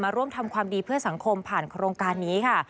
ร่วมทำความดีเพื่อสังคมผ่านโครงการนี้ค่ะ